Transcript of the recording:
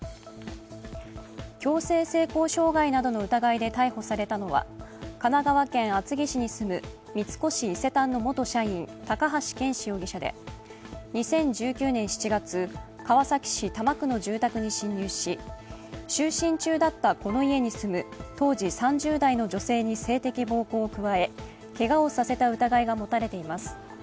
強制性交傷害などの疑いで逮捕されたのは神奈川県厚木市に住む三越伊勢丹の元社員、高橋健志容疑者で、２０１９年７月川崎市多摩区の住宅に侵入し就寝中だったこの家に住む当時３０代の女性に性的暴行を加えけがをさせた疑いが持たれています。